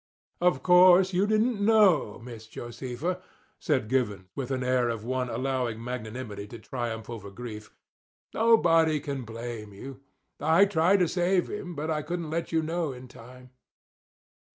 "Of course you didn't know, Miss Josefa," said Givens, with an air of one allowing magnanimity to triumph over grief. "Nobody can blame you. I tried to save him, but I couldn't let you know in time."